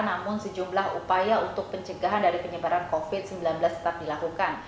namun sejumlah upaya untuk pencegahan dari penyebaran covid sembilan belas tetap dilakukan